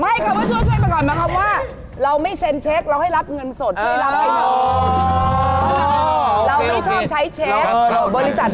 คำว่าช่วยมาก่อนหมายความว่าเราไม่เซ็นเช็คเราให้รับเงินสดช่วยรับให้หน่อย